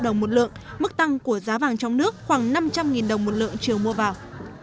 đồng một lượng mức tăng của giá vàng trong nước khoảng năm trăm linh đồng một lượng chiều mua vào